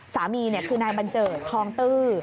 สามีคือนายบัญเจิดทองตื้อ